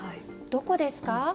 どこですか？